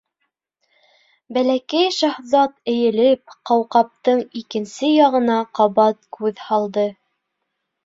Бәләкәй шаһзат эйелеп ҡауҡабтың икенсе яғына ҡабат күҙ һалды.